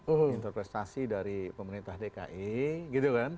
interpretasi dari pemerintah dki gitu kan